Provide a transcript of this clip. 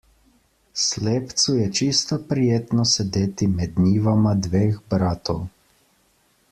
Slepcu je čisto prijetno sedeti med njivama dveh bratov.